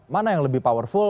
mana yang lebih powerful